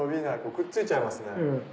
くっついちゃいますね。